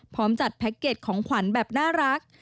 พร้อมจัดแพ็คเก็ตของขวัญแบบน่ารัก